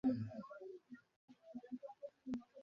কিন্তু ওরা ভয় পায়, ঘাবড়ায়।